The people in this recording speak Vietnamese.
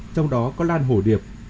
trong đó có lan hổ điệp